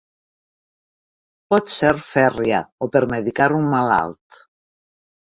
Pot ser fèrria o per medicar un malalt.